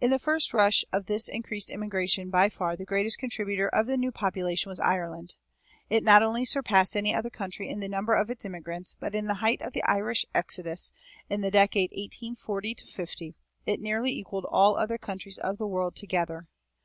In the first rush of this increased immigration by far the greatest contributor of new population was Ireland. It not only surpassed any other country in the number of its immigrants, but in the height of the Irish exodus, in the decade 1840 50, it nearly equaled all other countries of the world together.